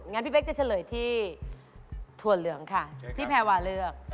งั้นพี่เป๊กจะเฉลยที่ถั่วเหลืองค่ะที่แพรวาเลือก